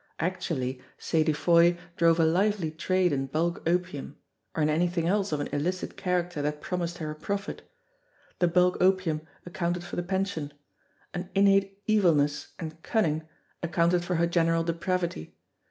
Actu ally, Sadie Foy drove a lively trade in bulk opium, or in anything else of an illicit character that promised her a profit. The bulk opium accounted for the pension ; an innate evilness and cunning accounted for her general depravity.